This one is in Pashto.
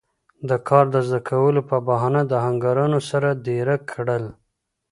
د کار زده کولو پۀ بهانه د آهنګرانو سره دېره کړل